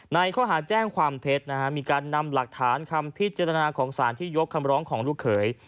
ในข้อหาแจ้งความเท็จนะฮะมีการนำหลักฐานคำพิจารณาของสารที่ยกคำร้องของลูกเขย